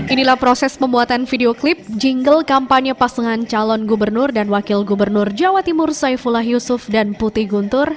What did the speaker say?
inilah proses pembuatan video klip jingle kampanye pasangan calon gubernur dan wakil gubernur jawa timur saifullah yusuf dan putih guntur